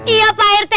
iya pak irte